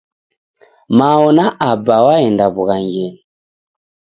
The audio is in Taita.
Mao na Aba w'aenda w'ughangenyi.